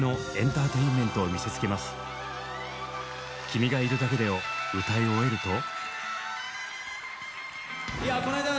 「君がいるだけで」を歌い終えると。